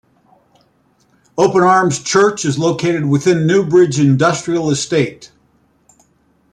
Open Arms Church is located within Newbridge Industrial Estate.